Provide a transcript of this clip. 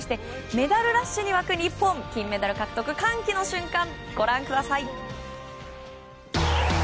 メダルラッシュに沸く日本金メダル獲得、歓喜の瞬間ご覧ください。